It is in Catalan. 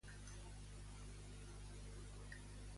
Reserva a una pizzeria dimecres.